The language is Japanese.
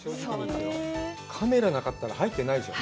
カメラなかったら入ってないでしょう？